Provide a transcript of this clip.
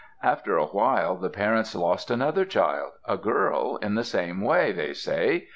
After a while, the parents lost another child, a girl, in the same way, they say.